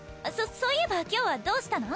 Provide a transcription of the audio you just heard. そういえば今日はどうしたの？